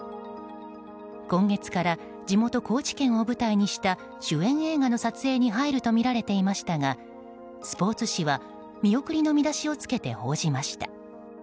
今月から地元・高知県を舞台にした主演映画の撮影に入るとみられていましたがスポーツ紙は見送りの見出しをつけて報じました。